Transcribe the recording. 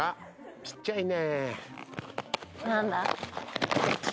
ちっちゃいね。